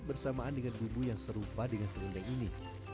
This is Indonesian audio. bersamaan dengan bumbu yang serupa dengan serundeng ini